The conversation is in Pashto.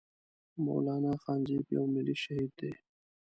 مولانا خانزيب يو ملي شهيد دی